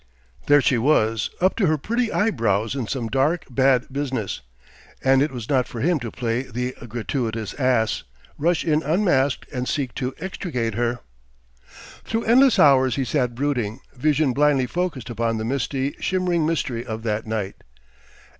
There she was, up to her pretty eyebrows in some dark, bad business; and it was not for him to play the gratuitous ass, rush in unasked, and seek to extricate her.... Through endless hours he sat brooding, vision blindly focussed upon the misty, shimmering mystery of that night.